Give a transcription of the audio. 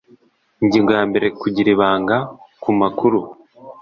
ingingo ya mbere kugira ibanga ku makuru